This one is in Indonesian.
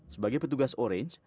sebagai petugas orange